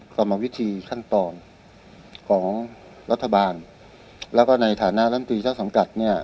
กรรมวิธีขั้นตอนของรัฐบาลแล้วก็ในฐานะลำตีเจ้าสังกัดเนี่ย